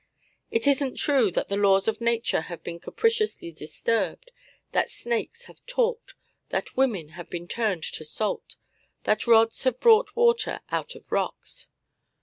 It isn't true that the laws of Nature have been capriciously disturbed, that snakes have talked, that women have been turned to salt, that rods have brought water out of rocks.